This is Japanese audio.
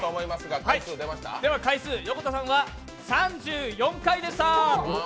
回数、横田さんは３４回でした！